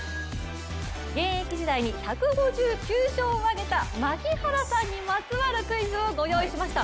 現役時代に１５９勝を挙げた槙原さんにまつわるクイズをご用意しました。